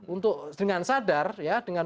untuk dengan sadar dengan